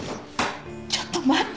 ちょっと待って。